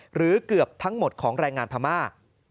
หรือเกือบทั้งหมดของแรงงานพม่า